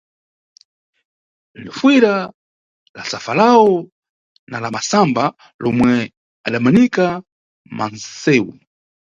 Lifuyira, la safalawu na la masamba lomwe adamanika mansewu.